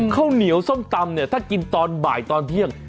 ข้าวเหนียวส้มตำเนี่ยถ้ากินตอนบ่ายตอนเที่ยง